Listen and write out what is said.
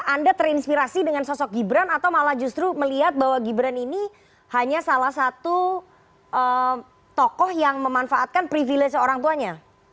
anda terinspirasi dengan sosok gibran atau malah justru melihat bahwa gibran ini hanya salah satu tokoh yang memanfaatkan privilege orang tuanya